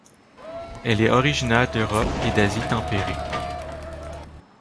Elle est originaire d'Europe et d'Asie tempérée.